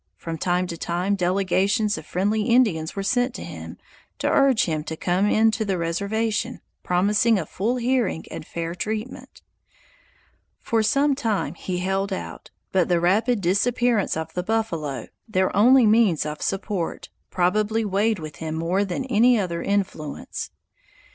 From time to time, delegations of friendly Indians were sent to him, to urge him to come in to the reservation, promising a full hearing and fair treatment. For some time he held out, but the rapid disappearance of the buffalo, their only means of support, probably weighed with him more than any other influence.